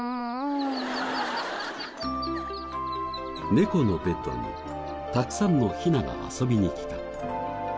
猫のベッドにたくさんのヒナが遊びに来た。